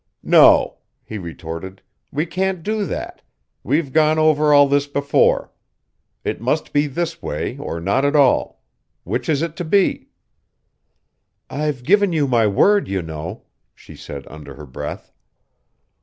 "No"; he retorted. "We can't do that we've gone over all this before. It must be this way, or not at all. Which is it to be?" "I've given you my word, you know," she said under her breath.